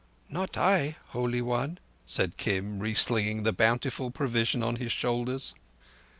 "Not I, Holy One," said Kim, reslinging the bountiful provision on his shoulders.